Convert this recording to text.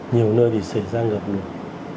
nhiều nơi thì xảy ra ngập lụt